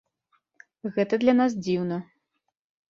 Гэта для нас дзіўна.